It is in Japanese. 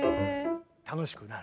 楽しくなる。